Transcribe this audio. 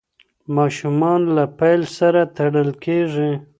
ماشومان له پیل سره تړل کېږي.